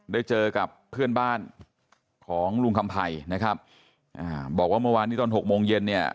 ได้เจอกับเพื่อนบ้านของลุงคำภัยนะครับอ่าบอกว่าเมื่อวานนี้ตอนหกโมงเย็นเนี่ย